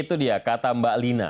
itu dia kata mbak lina